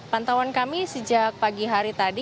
pantauan kami sejak pagi hari tadi